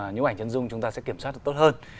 những ảnh chân dung chúng ta sẽ kiểm soát được tốt hơn